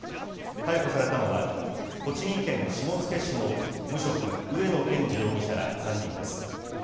逮捕されたのは、栃木県下野市の無職、上野健二容疑者ら３人です。